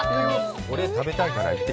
俺、食べたいから行ってくる。